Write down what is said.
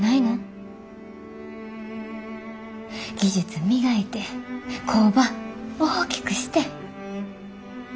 技術磨いて工場大きくして。